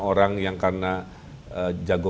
orang yang karena jago